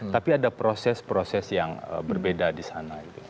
tapi ada proses proses yang berbeda di sana